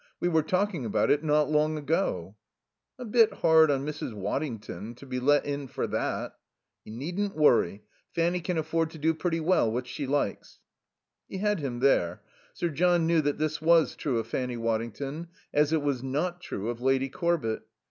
We were talking about it not long ago." "A bit hard on Mrs. Waddington to be let in for that." "You needn't worry. Fanny can afford to do pretty well what she likes." He had him there. Sir John knew that this was true of Fanny Waddington, as it was not true of Lady Corbett.